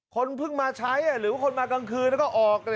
คนเพิ่งมาใช้หรือว่าคนมากลางคืนแล้วก็ออก